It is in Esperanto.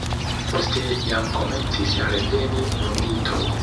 Poste jam komencis reveni vunditoj.